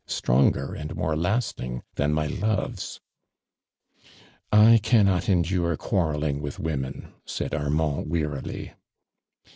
*trongorand more lasting than my loves.'" "I caimot eniUno (lUarroUing with wo men !"' said Armand, wearily.